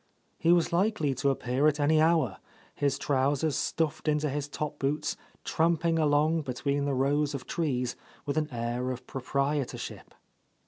He was likely to appear at any hour, his trousers stuffed into his top boots, tramping along between the rows of trees with an air of proprietorship.